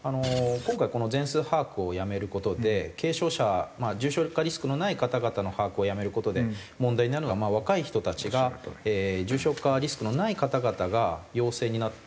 今回この全数把握をやめる事で軽症者重症化リスクのない方々の把握をやめる事で問題なのがまあ若い人たちが重症化リスクのない方々が陽性になった時に。